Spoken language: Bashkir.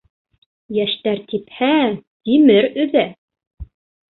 Йәштәр типһә, тимер өҙә.